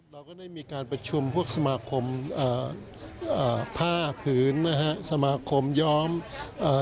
เราก็ได้มีการประชุมพวกสมาคมอ่าอ่าผ้าผืนนะฮะสมาคมย้อมอ่า